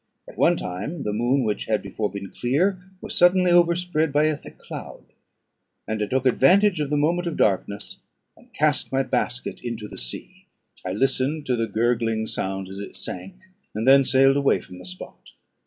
At one time the moon, which had before been clear, was suddenly overspread by a thick cloud, and I took advantage of the moment of darkness, and cast my basket into the sea: I listened to the gurgling sound as it sunk, and then sailed away from the spot.